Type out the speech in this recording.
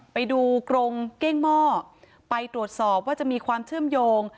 ไปดูกรงเก้งหม้อไปตรวจสอบว่าจะมีความเชื่อมโยง